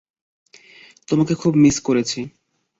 তোমাকে খুব মিস করেছি!